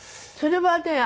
それはね